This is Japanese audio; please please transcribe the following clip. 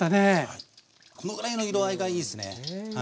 はいこのぐらいの色合いがいいっすね。